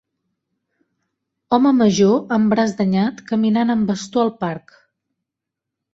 Home major amb braç danyat caminant amb bastó al parc.